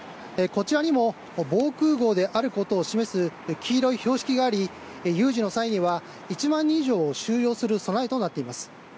こちらにも防空壕であることを示す黄色い標識があり有事の際には１万人以上を収容する備えとなっています。